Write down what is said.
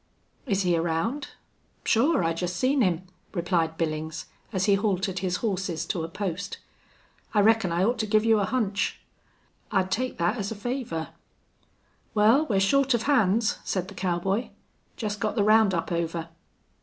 "Is he around?" "Sure. I jest seen him," replied Billings, as he haltered his horses to a post. "I reckon I ought to give you a hunch." "I'd take that as a favor." "Wal, we're short of hands," said the cowboy. "Jest got the round up over.